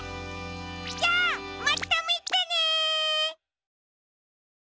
じゃあまたみてね！